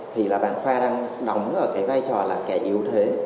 thì là bạn khoa đang đóng cái vai trò là kẻ yếu thế